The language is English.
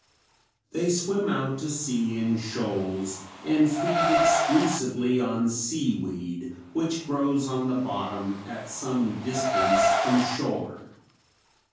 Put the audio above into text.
They swim out to sea in shoals and feed exclusively on seaweed which grows on the bottom at some distance from shore.